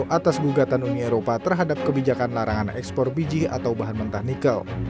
atas gugatan uni eropa terhadap kebijakan larangan ekspor biji atau bahan mentah nikel